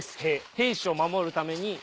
兵士を守るために。